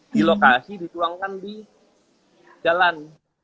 di lokasi dituangkan di jalan